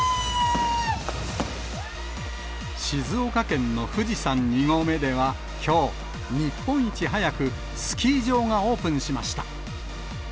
静岡県の富士山２合目ではきょう、日本一早くスキー場がオープンしました。